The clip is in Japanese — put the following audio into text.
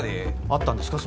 あったんですか？